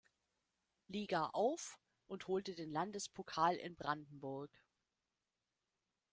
Liga auf und holte den Landespokal in Brandenburg.